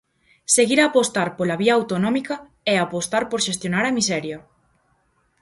"Seguir a apostar pola vía autonómica é apostar por xestionar a miseria".